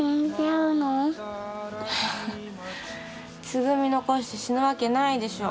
つぐみ残して死ぬわけないでしょ。